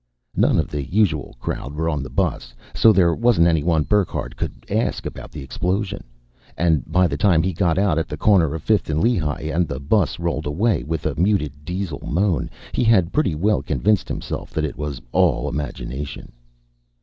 None of the usual crowd were on the bus, so there wasn't anyone Burckhardt could ask about the explosion. And by the time he got out at the corner of Fifth and Lehigh and the bus rolled away with a muted diesel moan, he had pretty well convinced himself that it was all imagination.